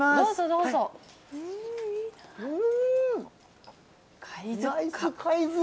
どうぞ、どうぞ。